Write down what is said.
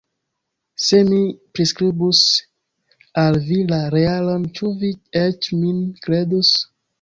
Se mi priskribus al vi la realon, ĉu vi eĉ min kredus?